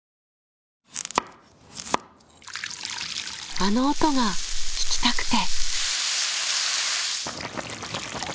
あの音が聞きたくて。